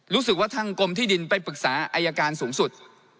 รู้สึกว่าทางกรมที่ดินไปปรึกษาอายการสูงสุด